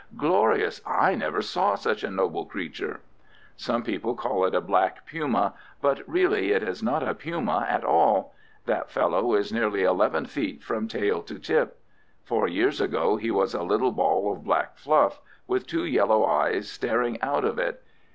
"Glorious! I never saw such a noble creature." "Some people call it a black puma, but really it is not a puma at all. That fellow is nearly eleven feet from tail to tip. Four years ago he was a little ball of black fluff, with two yellow eyes staring out of it.